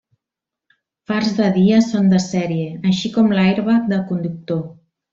Fars de dia són de sèrie, així com l'airbag de conductor.